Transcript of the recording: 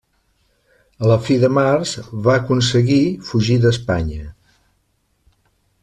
A la fi de març va aconseguir fugir d'Espanya.